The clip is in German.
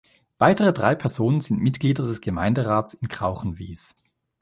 Weitere drei Personen sind Mitglieder des Gemeinderats in Krauchenwies.